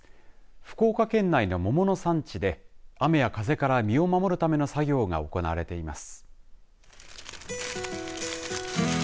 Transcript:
福岡県内の桃の産地で雨や風から実を守るための作業が行われています。